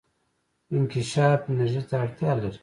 انکشاف انرژي ته اړتیا لري.